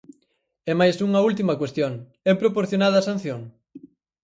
E mais unha última cuestión: É proporcionada a sanción?